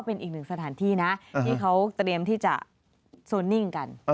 เป็นอีกหนึ่งสถานที่นะที่เขาเตรียมที่จะโซนิ่งกัน